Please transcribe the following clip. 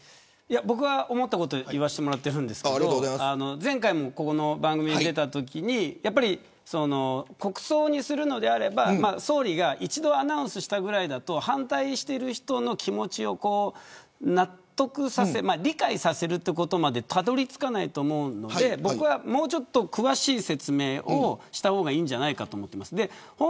僕は思ったことを言わせてもらっているんですけど前回もこの番組に出たときに国葬にするのであれば総理が１度アナウンスしたぐらいだと反対している人の気持ちを納得させる理解させることまでたどり着かないと思うので僕は、もうちょっと詳しい説明をした方がいいんじゃないかと思っています。